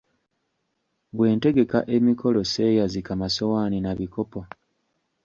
Bwe ntegeka emikolo sseeyazika masowaani na bikopo.